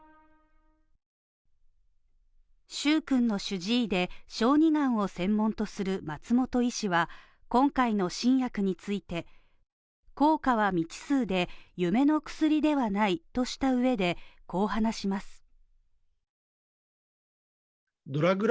蹴君の主治医で小児がんを専門とする松本医師は今回の新薬について効果は未知数で、夢の薬ではないとしたうえで、こう話します。